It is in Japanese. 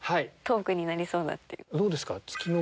どうですか？